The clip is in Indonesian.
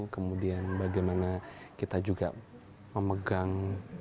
kemudian bagaimana kita juga memegang